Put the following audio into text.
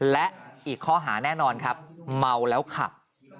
และอีกข้อหาแน่นอนครับเมาแล้วขับ